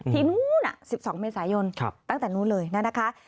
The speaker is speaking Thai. ที่นู้น๑๒เมษายนตั้งแต่นู้นเลยนะคะ